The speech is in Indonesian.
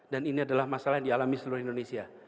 dan ini adalah masalah yang dialami seluruh indonesia